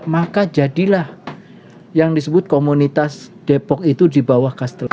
maka jadilah yang disebut komunitas depok itu dibawah castellane